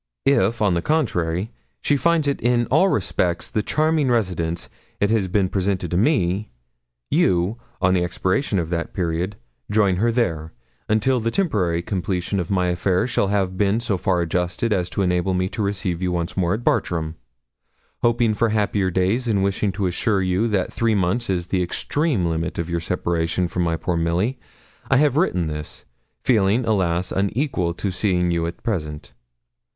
If, on the contrary, she finds it in all respects the charming residence it has been presented to me, you, on the expiration of that period, join her there, until the temporary complication of my affairs shall have been so far adjusted as to enable me to receive you once more at Bartram. Hoping for happier days, and wishing to assure you that three months is the extreme limit of your separation from my poor Milly, I have written this, feeling alas! unequal to seeing you at present.